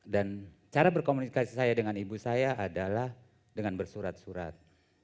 dan cara berkomunikasi saja dengan ibu saya adalah dengan bersurat surat